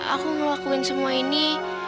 aku ngelakuin semua ini